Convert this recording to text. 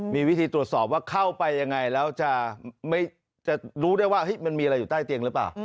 มีวิธีตรวจสอบว่าเข้าไปยังไงแล้วจะรู้ได้ว่ามันมีอะไรอยู่ใต้เตียงหรือเปล่า